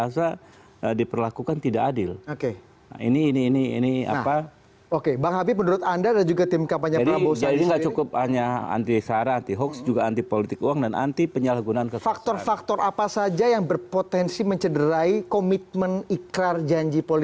jadi artinya ada euforia